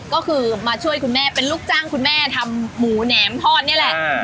ก็คือมาช่วยคุณแม่เป็นลูกจ้างคุณแม่ทำหมูแหนมทอดนี่แหละ